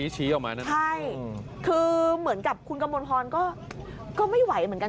ใช่คือเหมือนกับคุณกระมวลพรก็ไม่ไหวเหมือนกัน